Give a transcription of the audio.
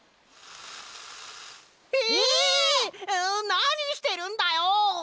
なにしてるんだよ！